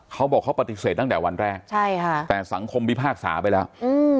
เขาบอกเขาปฏิเสธตั้งแต่วันแรกใช่ค่ะแต่สังคมพิพากษาไปแล้วอืม